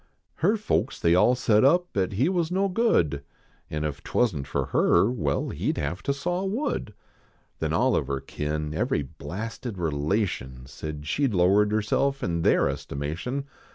Her folks they all set up at he was no good, An if twasn t for her well, he d have to saw wood. Then all of her kin, every blasted relation. Said she d lowered herself in their estimation.